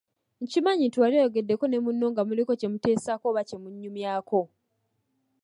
Nkimanyi nti wali oyogeddeko ne munno nga muliko kye muteesaako oba kye munyumyako.